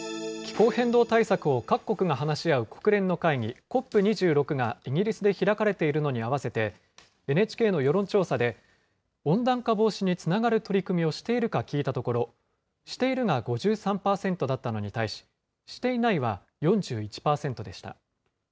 気候変動対策を各国が話し合う国連の会議、ＣＯＰ２６がイギリスで開かれているのに合わせて、ＮＨＫの世論調査で、温暖化防止につながる取り組みをしているか聞いたところ、しているが５３％だったのに対し、していないは４１％でした。